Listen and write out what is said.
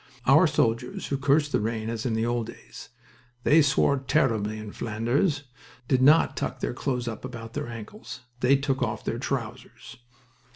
Our soldiers, who cursed the rain as in the old days, "they swore terribly in Flanders" did not tuck their clothes up above their ankles. They took off their trousers.